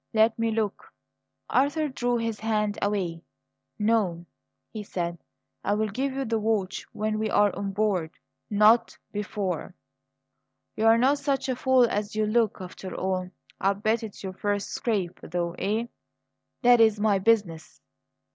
Let me look!" Arthur drew his hand away. "No," he said. "I will give you the watch when we are on board; not before." "You're not such a fool as you look, after all! I'll bet it's your first scrape, though, eh?" "That is my business.